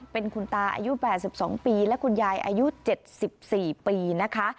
เป็นคุณตาอายุ๘๒ปีและคุณยายอายุ๗๔ปีนะคะ